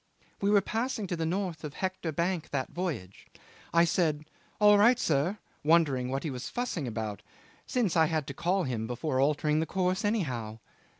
'"We were passing to the north of the Hector Bank that voyage. I said, 'All right, sir,' wondering what he was fussing about, since I had to call him before altering the course anyhow.